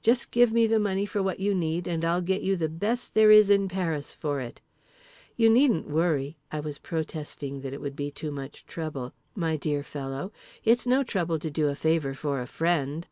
Just give me the money for what you need and I'll get you the best there is in Paris for it. You needn't worry"—I was protesting that it would be too much trouble—"my dear fellow, it's no trouble to do a favour for a friend."